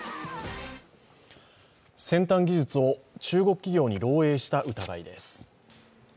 先端技術を中国企業に漏えいした疑いです。